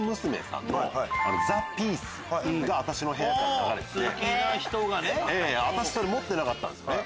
さんの『ザ☆ピス！』が私の部屋から流れてて私それ持ってなかったんすよね。